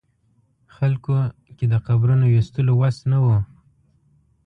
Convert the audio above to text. خلکو کې د قبرونو ویستلو وس نه و.